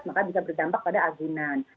maka bisa berdampak pada agunan